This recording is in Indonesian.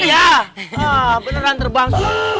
iya beneran terbang